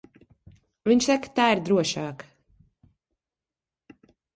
Viņš saka, tā ir drošāk.